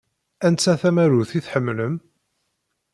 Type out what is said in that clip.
Anta tamarut i tḥemmlem?